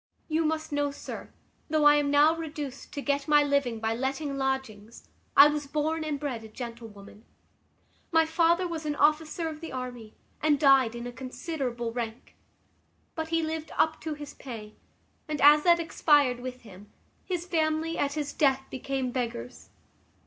"You must know, sir, though I am now reduced to get my living by letting lodgings, I was born and bred a gentlewoman. My father was an officer of the army, and died in a considerable rank: but he lived up to his pay; and, as that expired with him, his family, at his death, became beggars.